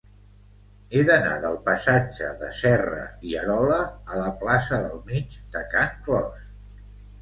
He d'anar del passatge de Serra i Arola a la plaça del Mig de Can Clos.